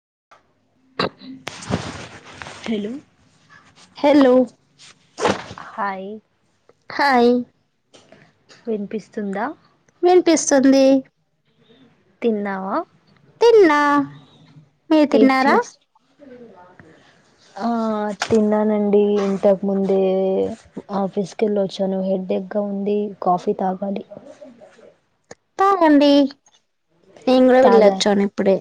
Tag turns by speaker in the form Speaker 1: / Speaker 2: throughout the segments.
Speaker 1: [inaudible]
Speaker 2: వచ్చి
Speaker 1: hello.
Speaker 2: Hello.
Speaker 1: Hi.
Speaker 2: Hi.
Speaker 1: వినిపిస్తుందా.
Speaker 2: వినిపిస్తుంది.
Speaker 1: తిన్నావా.
Speaker 2: తిన్నా మీ తిన్నారా.
Speaker 1: తిన్న బాగుంది ఆ తిన్నానండి ఇంతకు ముందే ఆఫీసుకు వెళ్ళొచ్చాను హెడేక్ ఇంకా ఉంది కాఫీ తాగాలి.
Speaker 2: తాగండి నేను కూడా
Speaker 1: తాగాలి
Speaker 2: వెళ్ళచ్చను ఇప్పుడే.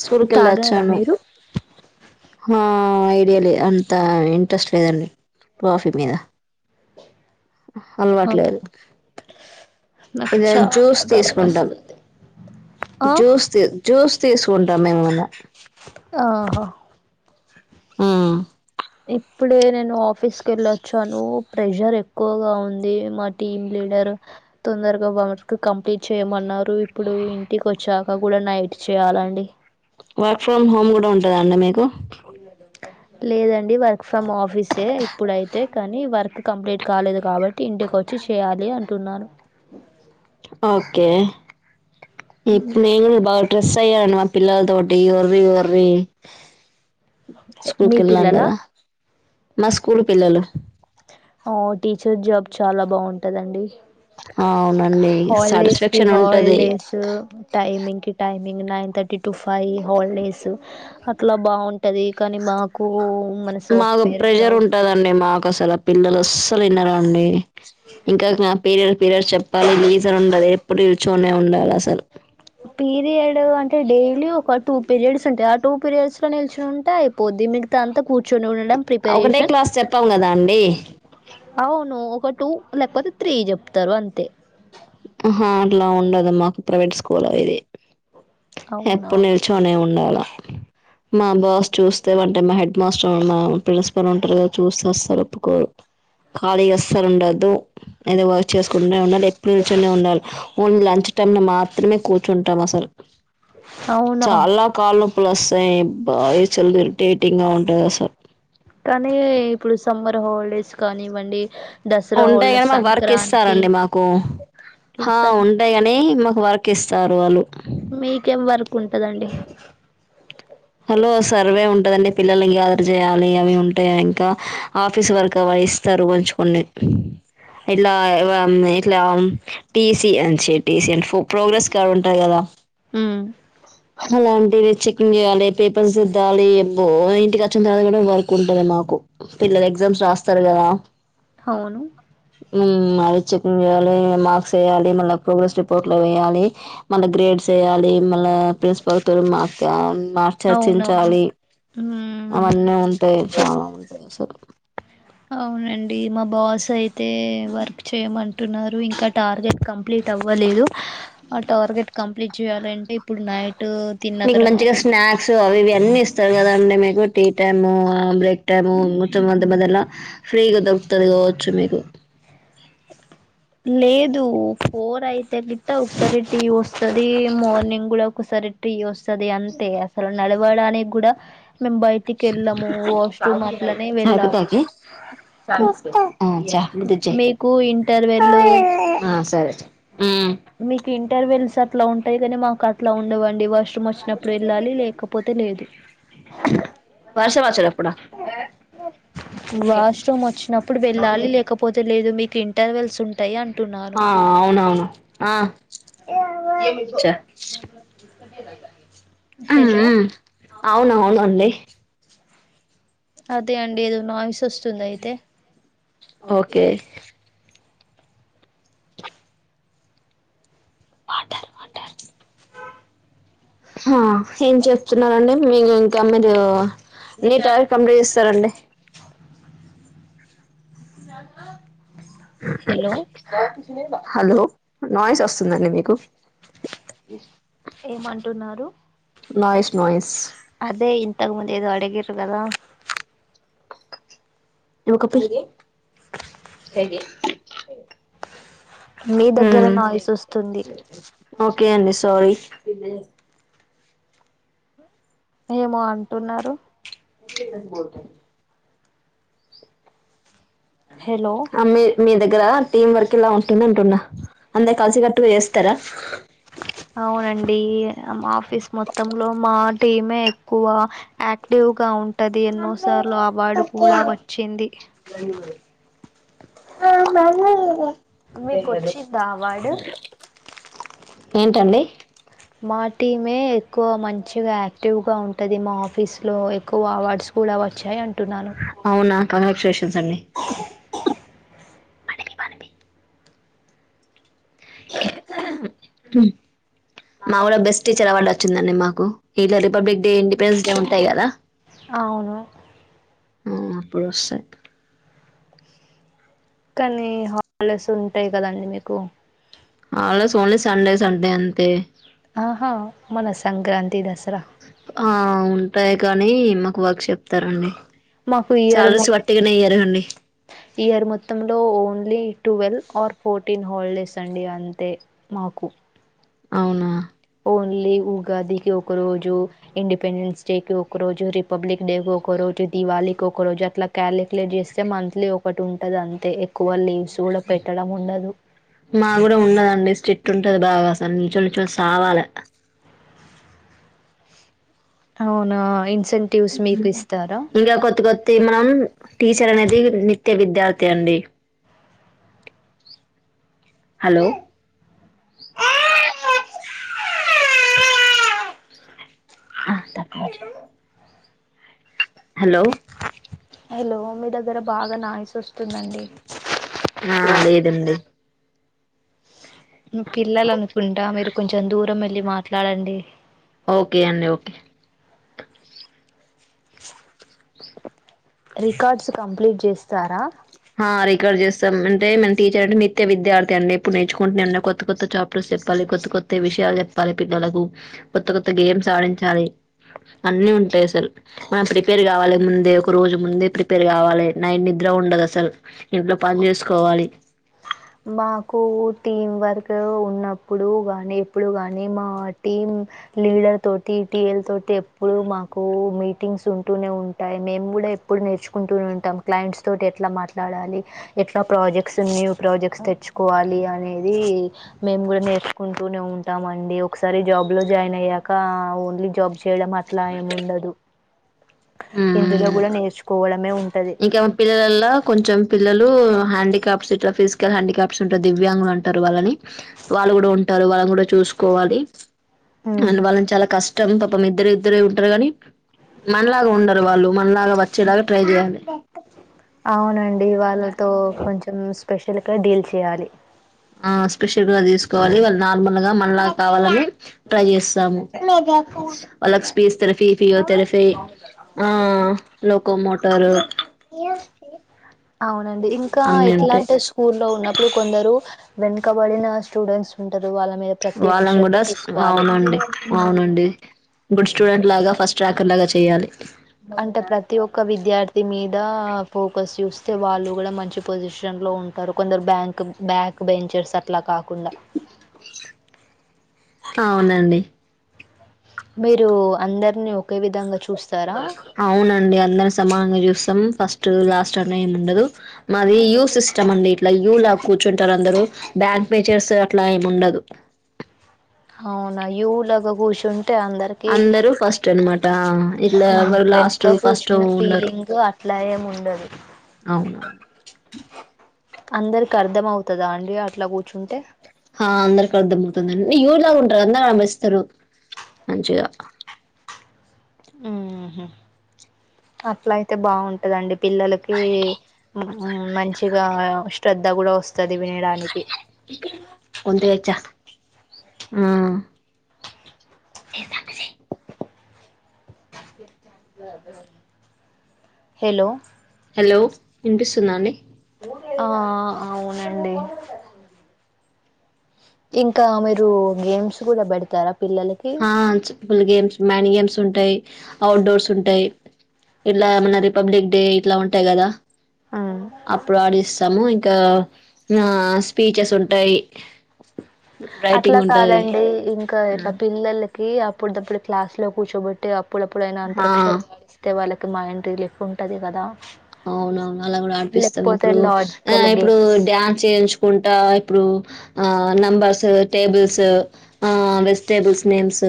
Speaker 2: స్కూల్ కి వెళ్లి వచ్చా
Speaker 1: తాగారా
Speaker 2: ను
Speaker 1: మీరు
Speaker 2: ఆ ఐడియా లేదు అంత ఇంట్రెస్ట్ లేదండి కాఫీ మీద.
Speaker 1: ఆ
Speaker 2: అలవాట్లేదు.
Speaker 1: నాకు
Speaker 2: ఇద జూస్
Speaker 1: చాలా
Speaker 2: తీసుకుంటాం
Speaker 1: తలనొస్తుంది ఆ
Speaker 2: జూస్ తి జూస్. తీసుకుంటాం మేము ఇంగ
Speaker 1: ఆహా
Speaker 2: మ్.
Speaker 1: ఇప్పుడే నేను ఆఫీస్ కెళ్ళోచ్చాను ప్రెజర్ ఎక్కువగా ఉంది మా టీమ్లీ లీడర్ తొందరగా వర్క్ కంప్లీట్ చేయమన్నారు ఇప్పుడు ఇంటికి వచ్చాక కూడా నైట్. చేయాలండి..
Speaker 2: వర్క్ ఫ్రమ్ హోమ్ కూడా ఉంటదా అండి మీక్.
Speaker 1: లేదండి వర్క్ ఫ్రమ్ ఆఫీసే ఇప్పుడయితే కానీ వర్క్ కంప్లీట్ కా. కాలేదు కాబట్టి ఇంటికొచ్చి చేయాలి అంటున్నాను.
Speaker 2: ఓకే ఇప్పు నేను స్ట్రెస్స్ అయ్యాను మా పిల్లతోటి ఒర్లీ ఒర్లి స్కూల్
Speaker 1: మీ
Speaker 2: కెళ్ళాం
Speaker 1: పిల్లలా
Speaker 2: కదా మా స్కూల్ పిల్లలు.
Speaker 1: ఆ టీచర్ జాబ్ చాలా బాగుంటదండి..
Speaker 2: అవునండి
Speaker 1: హాలిడేస్కి
Speaker 2: సాటిస్ఫాక్షన్ ఉంటది
Speaker 1: హాలిడేస్ టైమింగ్కి టైమి ఇంగ్ nine thirty to five holidays అట్లా బాగుంటది కానీ మాకు మన
Speaker 2: మాకు
Speaker 1: సాఫ్ట్వేర్
Speaker 2: ప్రెజర్
Speaker 1: జాబ్
Speaker 2: ఉంటదండి మాకసల్ ఆ పిల్లలు అస్సలు వినరండి. ఇంకా నా పీరియడ్ పీరియడ్స్ చెప్పాలి లీజర్ ఉండదు ఎప్పుడు నిల్చోనే ఉండాలసలు.
Speaker 1: పీరియడ్ అంటే డైలీ ఒక టూ పీరియడ్స్ ఉంటాయ్ ఆ టూ పీరియడ్స్లో నిల్చోనుంటే అయిపోద్ది మీ తాంతా కూర్చొని ఉండడం
Speaker 2: ఒకటే
Speaker 1: ప్రిపరేషన్
Speaker 2: క్లాస్ చెప్పాం కదా అండి
Speaker 1: అవును. ఒక టూ లేకపోతే త్రీ చెప్తారు అంతే
Speaker 2: ఆహా అట్లా ఉండదు మాకు ప్రైవేట్ స్కూల్ ఇది
Speaker 1: అవునా
Speaker 2: ఎప్పుడ్నిల్చొనే ఉండాల మా బాస్ చూస్ స్తే అంటే మా హెడ్ మాస్టర్ మా ప్రిన్సిపల్ ఉంటరు కదా చూస్తే అస్సలు ఒప్పుకోరు. ఖాళీగా అస్సలుండద్దు ఏదో వర్క్ చేసుకుంటూనే ఉండాలి. ఎప్పుడు నిల్చొనే ఉండాలి. ఓన్లీ లంచ్ టైంలో మాత్రమే కూర్చుంటాం అసలు
Speaker 1: అవునా
Speaker 2: చాలా కాల్ నొప్పులోస్తాయ్ బాయ్స్ చాలా ఇర్రిటేటింగ్గా ఉంటదసలు.
Speaker 1: కానీ ఇప్పుడు సమ్మర్ హాలిడేస్ కానివ్వండి. దసరా
Speaker 2: ఉంటాయి
Speaker 1: హాలిడేస్
Speaker 2: కాని మాకు వర్క్
Speaker 1: సంక్రాంతి
Speaker 2: ఇస్తారండి మాకు
Speaker 1: ఈ
Speaker 2: హా
Speaker 1: సం
Speaker 2: ఉంటాయి కాని మా వర్క్ ఇస్తారు వాళ్ళు
Speaker 1: మీకేం వర్క్ ఉంటదండి.
Speaker 2: హలో సర్వే ఉంటదండి పిల్లల్ని గ్యాదర్ చేయాలి అవి ఉంటాయ్ ఇంకా ఆఫీస్ వర్క్ అవి ఇస్తారు కొంచ్కొన్ని ఇట్లా ఇట్లా టీసీ అంచి టీసి అంట ప్రోగ్రెస్ కార్డు ఉంటది కదా
Speaker 1: మ్
Speaker 2: అలాంటివి చేయాలి పేపర్స్ రిద్దాలి అబ్బో ఇంటికి వచ్చిన తర్వాత కూడా వర్క్ ఉంటది మాకు పిల్లల ఎగ్జామ్స్ రాస్తరు కదా
Speaker 1: అవును.
Speaker 2: మ్ మ్ చెక్కింగ్ చేయాలి మార్క్స్ వేయాలి మళ్ళ ప్రోగ్రెస్ రిపోర్ట్లు వేయ్యాలి మళ్ళ గ్రేడ్స్ చేయాలి మళ్ళ ప్రిన్సిపల్తో మార్కు మార్క్స్
Speaker 1: అవునవును
Speaker 2: చర్చించాలి.
Speaker 1: ఉమ్
Speaker 2: అవన్నీ ఉంటాయ్ చాలా ఉంటాయసలు
Speaker 1: అవునండి. మా బాస్ అయితే వర్క్ చేయమంటున్నారు ఇంకా టార్గెట్ కంప్లీట్ టవ్వలేదు ఆ టార్గెట్ కంప్లీట్ చేయాలంటే ఇప్పుడు నైట్ తిన్న
Speaker 2: మీకు మంచిగా
Speaker 1: తర్వాత
Speaker 2: స్నాక్స్ అవి ఇవి అన్నీ ఇస్తారు కదాండి మీకు టీ టైము బ్రేక్ టైము మొత్తమంత మద్యల ఫ్రీగా దొరుకుతాది కావచ్చు మీకు
Speaker 1: లేదు ఫోర్ అయితే గిట వస్తది. టీ వస్తది మార్నింగ్ కూడా ఒకసారి టీ వస్తది అంతే అసలు నడవడానిక్కూడా మేమ్ బయటి కెళ్ళము వాష్రూమ్ అట్లనే
Speaker 2: చాయ్
Speaker 1: వెళ్ళాలి.
Speaker 2: పితాకి ఆ చా బుద్ధి చెయ్
Speaker 1: మీకు ఇంటర్వెల్. లు
Speaker 2: ఆ సరే మ్మ్
Speaker 1: మీకు ఇంటర్వెల్స్ అట్ అట్లా ఉంటాయి కాని మాకు అట్లా ఉండవండి వాష్రూమ్ వచ్చినప్పుడు వెళ్ళాలి లేకపోతే లేదు
Speaker 2: వర్షవచ్చేటప్పుడ
Speaker 1: వాష్రూమ్ వచ్చినప్పుడు వెళ్ళాలి లేకపోతే లేదు మీకు ఇంటర్వెల్స్ ఉం
Speaker 2: ఆ అవునవును ఆ
Speaker 1: హలో
Speaker 2: అవున అవును అండి
Speaker 1: అదే అండి ఏదో నాయిస్ వస్తుంది అయితే
Speaker 2: ఓకే వాటర్ వాటర్ ఆ ఏం చెప్తున్నరండి మీరు ఇంకా మీరు నీటై కంప్లీట్ చెస్తారండి
Speaker 1: నా
Speaker 2: హలో నయిస్ వస్తుందండి మీకు
Speaker 1: ఏమంటున్నారు
Speaker 2: నయిస్ నయిస్
Speaker 1: అదే ఇంతకు్ ముంద ఏదో అడిగిర్రుకదా
Speaker 2: నుకప్పు స
Speaker 1: మీ దగ్గర నాయిస్ వస్తుంది
Speaker 2: కే అండి సోరి
Speaker 1: ఏమో అంటున్నారు
Speaker 2: మీలాస బోత
Speaker 1: హలో
Speaker 2: ఆ మీ మీ దగ్ గ్గర టీం వర్క్ ఇలా ఉంటుంది అంటున్నా అందే కలిసిగట్టుగా చేస్తారా
Speaker 1: అవునండి మా ఆఫీస్ మొత్త లో మా టీమే ఎక్కువ యాక్టివ్ వగా ఉంటుంది ఎన్నో సార్లు అవార్డు కూడా వచ్చింది
Speaker 2: ఆ మ
Speaker 1: మీకోచ్చిందా అవార్డు
Speaker 2: ఏంటండి
Speaker 1: మా టీమే ఎక్కువ మంచిగా యాక్టివ్గా ఉంటుంది మా ఆఫీస్లో ఎక్కువ అవాడ్స్
Speaker 2: అవునా కంగ్రాచ్యులేషన్స్ అండి పడవివానవి మకూడ బెస్ట్ టీచర్ అవడ్ వచ్చిందండి మాకు ఇలా రిపబ్లిక్ డే ఇండిపెండెన్స్ డే ఉంటాయి కదా
Speaker 1: అవును
Speaker 2: ఆ అప్పుడు వస్టై
Speaker 1: కానీ హాలడేస్ ఉంటాయి కదండి మీకు
Speaker 2: holidays only Sunday Sunday అంతే
Speaker 1: ఆహా మన సంక్రాంతి దస్
Speaker 2: ఆ ఉంటాయ్ కానీ మాకు వర్క్ చెప్తారండి
Speaker 1: మాకు ఇయర్ మొ
Speaker 2: సాలరీస్ వాట్టిగానే ఇయ్యారండి
Speaker 1: ఇయర్ మొత్తంలో only twelve or fourteen holidays అండి అంతే మాకు
Speaker 2: అవునా
Speaker 1: ఓన్లీ ఉగాదికి ఒక రోజు ఇండిపెండెన్స్ డె కి ఒక రోజు రిపబ్లిక్ డె కి ఒక రో దివాళికి ఒక రోజు అట్లా క్యాలిక్యులేట్ చేస్తే మంత్లీ ఒకటి ఉంటది అంతే ఎక్కువ లీవ్స్ కూడా పెట్టడం ఉండదు
Speaker 2: ట్ంటది బాగా అసలు నిలుచోని నిలుచోని సావాలే
Speaker 1: అవునా ఇ
Speaker 2: ఇంగ కొత్త కొత్తయ్ మనం టీచర్ అనేది ని త్య విద్యార్థి అండి హలో ఆ తప్ప హలో
Speaker 1: హలో మీ దగ్గర బాగ నాయిస్ వస్తుందండి.
Speaker 2: ఆ లేదండి.
Speaker 1: నువ్ పిల్లలనుకుంటా మీరు కొంచెం దూరం వెళ్ళి మాట్లాడండి.
Speaker 2: ఓకె అండి ఓకె.
Speaker 1: రికార్డ్స్ కంప్లీట్ చేస్తారా?
Speaker 2: హా రికార్డ్ చేస్ సమ్ అంటే మన టీచర్ అంటే, నిత్య విద్యార్థి అండి. ఎప్పుడు నేర్చుకుంటనే ఉన్న, కొత్త కొత్త చాప్టర్స్ చెప్పాలి కొత్త కొత్త విష యాలు చెప్పాలి పిల్లలకు. కొత్త కొత్త గేమ్స్ ఆడించాలి. అన్ని ఉంటాయి అసల్. మనం ప్రిపేర్ కావాలె. ముందే ఒక రోజు ముందే ప్రిపేర్ కావాలె. నైట్ ని ద్ర ఉండదు అసల్ ఇంట్లో పని చేసుకోవాలి.
Speaker 1: మాకు టీం వర్క్ ఉన్నప్పుడు గాని, ఎప్పుడు గాని, మా టీం లీడర్ తోటి, టీఎల్ తోటి, ఎప్పుడు మాకు మీటింగ్స్ ఉంటూనే ఉంటాయి. మేము ఇప్పుడే ఎప్పుడు నేర్చుకుంటూనే ఉంటాం. క్లయింట్స్ తోటి ఎట్ల మాట్లాడాలి? ఎట్ల ప్రాజెక్ట్స్ అన్ని ప్రాజెక్ట్ తెచ్చుకోవాలి అనేది, మేము కూడ నేర్చుకుంటూనే ఉంటాం అండి. ఒకసారి జాబ్ జాబ్ లో జాయిన్ అయ్యాక, ఓన్లీ జాబ్ చేయడం అట్ల ఏముండదు. ఇందులో
Speaker 2: మ్మ్
Speaker 1: కూడ నేర్చుకోవడమే ఉ
Speaker 2: ఇంకా మా పిల్లలలో కొంచెం పిల్లలు హ్యాండికాప్స్, ఇట్లా ఫిజికల్ హ్యాండికాప్స్ ఉంటారు. దివ్యాంగులు అంటారు వాళ్ళని. వాళ్ళు కూడ ఉంటారు. వాళ్ళని కూడ చూసుకోవాలి. అండ్ వాళ్ళని చాలా కస్ ష్టం పాపం ఇద్దరు ఇద్దరే ఉంటారు గాని, మనలాగా ఉండరు వాళ్ళు మనలాగా వచ్చేలాగా ట్రై చేయాలి.
Speaker 1: అవునండి. వాళ్ళతో కొంచెం స్పెషల్గా డీల్ చేయాలి.
Speaker 2: ఆ స్పెషల్ గా తీసుకోవాలి. వాళ్ నార్మల్ గా మనలాగా కావల్లని ట్రై చేస్తాము. వాళ్లకి స్పీచ్ తెరపి, పియోతెరఫీ, ఆ లోకో మోటారు
Speaker 1: అవునండి. ఇంకా
Speaker 2: అన్నీ ఉంటాయి
Speaker 1: ఎట్లాంటే స్కూలో ఉన్నప్పుడు కొందరు వెనకబడిన స్టూడెంట్స్ ఉంటారు. వాళ్ళ మీద ప్రత్యేక
Speaker 2: వాళ్ళని
Speaker 1: శ్రద్ధ
Speaker 2: కూడా
Speaker 1: తీసుకోవాలి.
Speaker 2: అవునండి అవునండి గుడ్ స్టూడెంట్ లాగా, ఫస్ట్ ర్యాకర్ లాగ చెయ్యాలి.
Speaker 1: అంటే, ప్రతి ఒక్క విద్యార్థి మీద ఫోకస్ చూస్తే వాళ్ళు కూడ మంచి పొజిషన్ లో ఉంటారు కొందరు బ్యాంక్, బ్యాక్ బెంచర్స్ అట్ల కాక్ కుండా
Speaker 2: అవునండి.
Speaker 1: మీరు అందరిని ఒకే విధంగా చు
Speaker 2: అవునండి. అందరు సమానంగా చూస్తాం. ఫస్ట్ లాస్ట్ అని ఏం ఉండదు. మాది యూ సిస్టమ్ అండి. ఇట్లా యూ లాగ కూర్చుంటారు అందరు. బ్యాంక్ బెంచర్స్ అట్ల ఏం ఉండదు.
Speaker 1: అవునా! యు లాగా కూర్చున్ టె అందరికి,
Speaker 2: అందరూ ఫస్ట్ అనమాట ఇట్లా ఎవరు
Speaker 1: వెనుక
Speaker 2: లాస్ట్ ఫస్ట్
Speaker 1: కూర్చున్న
Speaker 2: ఉండరు
Speaker 1: ఫీలింగ్ అట్ లయముండదు.
Speaker 2: అవును.
Speaker 1: అందరికి అర్ధం అవుతదా అండి అట్ల కూర్చుంటే?
Speaker 2: హ అందరికీ అర్ధమవుతదండి. నె యు లాగుంటరు. అందరు కనిపిస్తరు. మంచిగా.
Speaker 1: మ్ హు అట్లయితే బాగుంటదండి. పిల్లలకి, మం మంచిగ శ్రద్ధ కూడా వస్ చదివినడానికి.
Speaker 2: మ్ సీన్ రాక్షసి
Speaker 1: హెలో
Speaker 2: హలో వినిపిస్తుందా అండి?
Speaker 1: ఆ అవునండి ఇంకా మీరు గేమ్స్ కూడా పెడతారా పిల్లలకి
Speaker 2: ఆ చిపుల్ గేమ్స్ మ్యాన్ గేమ్స్ ఉంటాయి ఔట్ డోర్స్ ఉంటాయి ఇట్లా ఏ మన రిపబ్లిక్ డే ఇట్లా ఉంటాయి కదా
Speaker 1: ఉమ్
Speaker 2: అప్పుడు ఆడిస్తాము ఇకా ఆ స్పీచెస్ ఉంటాయి రైటింగ్
Speaker 1: అట్లా
Speaker 2: ఉంటది
Speaker 1: కాదండి ఇంకా ఇట్లా పిల్లలు కి అప్పుడు దప్పుడు క్లాస్ లో కూర్చోబెట్టి అప్పుడప్పుడు అయినా
Speaker 2: ఆ
Speaker 1: అంతరక్షర్యాలు ఇస్తే వాళ్ళకి మైండ్ రిలీఫ్ ఉంటది కదా
Speaker 2: అవునవును అలా కూడా అడిపిస్తాము
Speaker 1: లేకపోతే
Speaker 2: ఇప్పుడు ఆ
Speaker 1: లాజికల్
Speaker 2: ఇప్పుడు
Speaker 1: గేమ్స్
Speaker 2: డ్యాన్స్ చేయించుకుంటా ఇప్పుడు ఆ నంబర్స్ టేబిల్స్ ఆ వెజిటేబుల్స్ నేమ్స్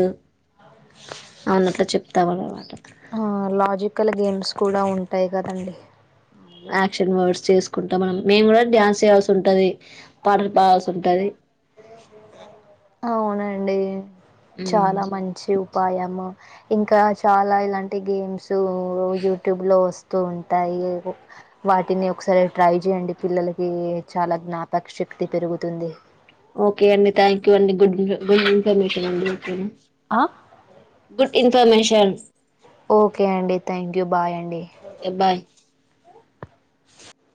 Speaker 2: అవునట్లు చెప్తావన్నమాట
Speaker 1: ఆ లాజికల్ గేమ్స్ కూడా ఉంటాయి కదండి
Speaker 2: యాక్షన్ వర్డ్స్ చేసుకుంటాం మనం మేము కూడా డ్యాన్స్ చేయాల్సి ఉంటది పాటలు పావాల్సి ఉంటది
Speaker 1: అవునండి చాలా మంచి ఉపాయము ఇంకా చాలా ఇలాంటి గేమ్స్ యూట్యూబ్ లో వస్తా ఉంటాయి వాటిని ఒకసారి ట్రై చేయండి పిల్లలకి చాలా జ్ఞాపక శక్తి క్తి పెరుగుతుంది
Speaker 2: ఓకే అండి థ్యాంక్ యూ అండి గుడ్ గుడ్ ఇన్ఫర్మేషన్ అండి
Speaker 1: ఆ
Speaker 2: గుడ్ ఇన్ఫర్మేషన్
Speaker 1: ఓకే అండి థ్యాంక్ యూ బాయ్ అండి
Speaker 2: ఓకే బాయ్